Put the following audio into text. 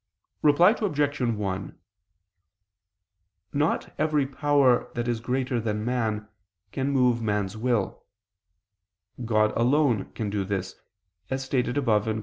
Reply Obj. 1: Not every power that is greater than man, can move man's will; God alone can do this, as stated above (Q.